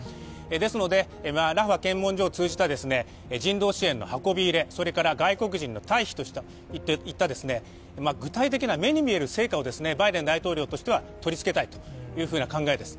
ですのでラファ検問所を通じた人道支援の運び入れ、それから外国人の退避といった具体的な目に見える成果をバイデン大統領としては取り付けたいというふうな考えです。